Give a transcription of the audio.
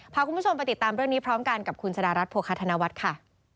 พาคุณผู้ชมไปติดตามเรื่องนี้พร้อมกันกับคุณชะดารัฐโภคธนวัฒน์ค่ะ